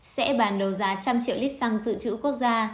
sẽ bàn đầu giá một trăm linh triệu lít xăng dự trữ quốc gia